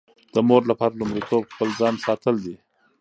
د مور لپاره لومړیتوب خپل ځان ساتل دي.